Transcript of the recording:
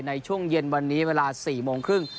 ในช่วงเย็นวันนี้เวลา๔โมงครึ่ง